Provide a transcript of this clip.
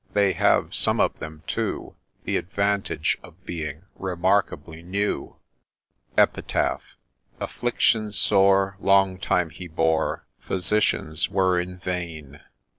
— They have, some of them, too, The advantage of being remarkably new. Epitaph. Affliction sore Long time he bore, Physicians were in vain